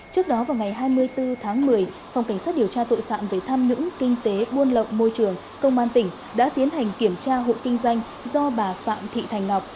trước đó vào ngày hai mươi bốn tháng một mươi phòng cảnh sát điều tra tội phạm về tham nhũng kinh tế buôn lậu môi trường công an tỉnh đã tiến hành kiểm tra hộ kinh doanh do bà phạm thị thành ngọc